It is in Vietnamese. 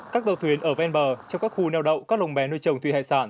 các đầu thuyền ở ven bờ trong các khu neo đậu các lồng bé nuôi trồng thủy hại sản